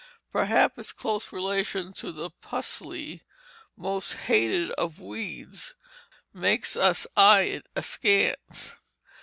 Perhaps its close relation to the "pusley," most hated of weeds, makes us eye it askance.